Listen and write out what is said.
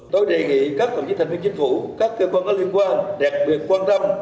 tôi đề nghị các đồng chí thành viên chính phủ các cơ quan có liên quan đẹp quan tâm